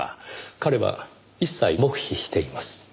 彼は一切黙秘しています。